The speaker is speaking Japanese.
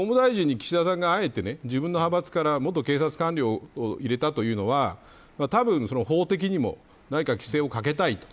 法務大臣に岸田さんがあえて自分の派閥から元警察官僚を入れたというのはたぶん、法的にも何か規制をかけたいと。